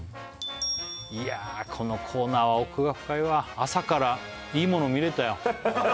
いやあこのコーナーは奥が深いわ朝からいいもの見れたよ